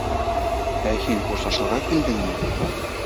Ә һин хушлашырға килдеңме?